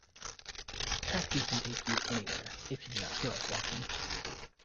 Taxis can take you anywhere if you do not feel like walking.